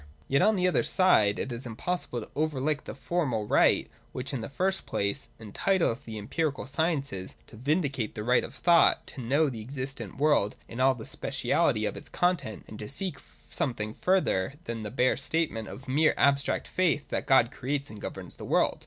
Yet on the other side it is impossible to overlook the formal right which, in the first place, entitles the empi rical sciences to vindicate the right of thought to know the existent world in all the speciality of its content, and to seek something further than the bare statement of mere abstract faith that God creates and governs the world.